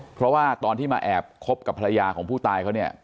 เพราะว่าตอนที่มาแอบคบกับภรรยาของผู้ตายเขาเนี่ย